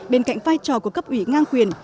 bên cạnh vai trò của cấp ủy ngang quyền